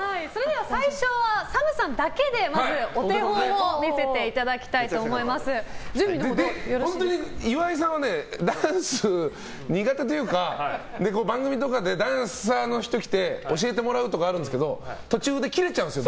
最初はＳＡＭさんだけでお手本を本当に岩井さんはダンス苦手というか番組とかでダンサーの人来て教えてもらうとかあるんですけど途中でキレちゃうんですよ